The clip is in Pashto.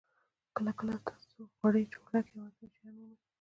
کله کله تاسو وړې چورلکې او اټومي شیان مومئ